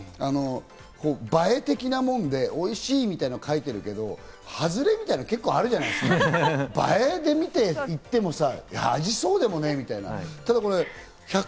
ＳＮＳなんかで見てるとね、映え的なもんで、おいしいみたいなことを書いてるけど、ハズレみたいなのも結構あるじゃないですか、映えで見ていってもさ、味、そうでもねえみたいな。